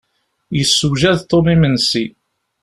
Yessewjad Tom imensi.